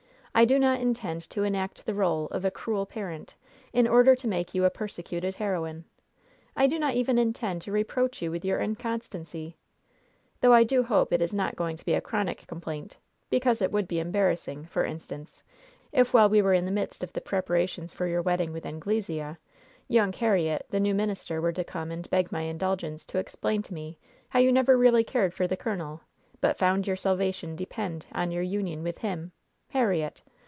I do not intend to enact the rôle of a 'cruel parent,' in order to make you a persecuted heroine. I do not even intend to reproach you with your inconstancy! though I do hope it is not going to be a chronic complaint! because it would be embarrassing, for instance, if while we were in the midst of the preparations for your wedding with Anglesea, young Herriott, the new minister, were to come and beg my indulgence to explain to me how you never really cared for the colonel, but found your salvation depend on your union with him Herriott!